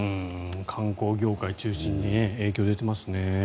観光業界中心に影響出てますね。